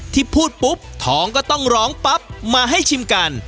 ที่พูดปุ๊บท้องก็ต้องร้องปั๊บมาให้ชิมกัน